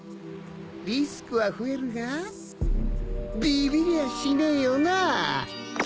リスクは増えるがビビりゃしねえよなぁ？